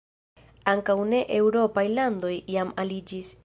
Ankaŭ ne-eŭropaj landoj jam aliĝis.